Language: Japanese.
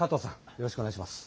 よろしくお願いします。